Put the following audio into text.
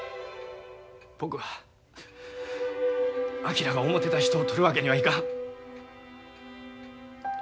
僕は昭が思てた人をとるわけにはいかん。